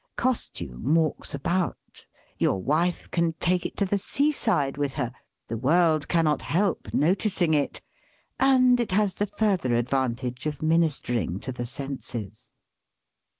Costume walks about ; your wife can take it to the seaside with her ; the world cannot help noticing it ; and it has the further advantage of ministering to the senses.